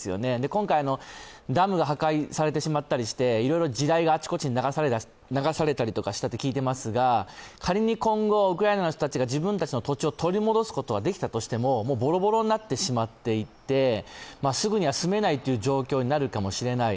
今回の、ダムが破壊されてしまったりして、いろいろ地雷があちこち流されたと聞いていますが仮に今後、ウクライナの人たちが自分たちの土地を取り戻すことができたとしてもボロボロになってしまっていて、すぐには住めないという状況になるかもしれない。